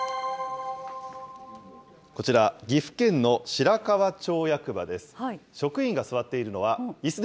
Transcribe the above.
こちら、岐阜県の白川町役場です。